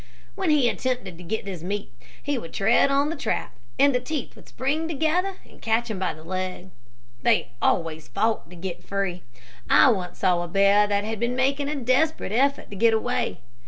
When he attempted to get this meat, he would tread on the trap, and the teeth would spring together, and catch him by the leg. They always fought to get free. I once saw a bear that had been making a desperate effort to get away.